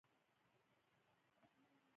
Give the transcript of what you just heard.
په ملاتړ مغرور وو.